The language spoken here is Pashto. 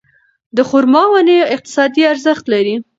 د خورما ونې اقتصادي ارزښت لري.